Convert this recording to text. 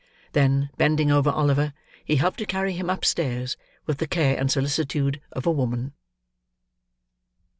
Then, bending over Oliver, he helped to carry him upstairs, with the care and solicitude of a woman.